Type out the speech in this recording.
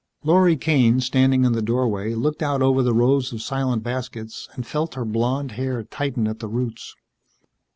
Lorry Kane, standing in the doorway, looked out over the rows of silent baskets and felt her blonde hair tighten at the roots.